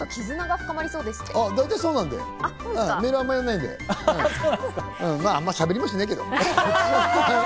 あまりしゃべりもしないけど。